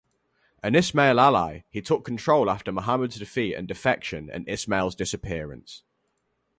An Ismail ally, he took control after Muhammad's defeat and defection and Ismail's disappearance.